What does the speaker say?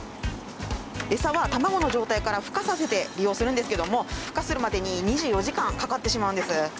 エサは卵の状態からふ化させて利用するんですけどもふ化するまでに２４時間かかってしまうんです。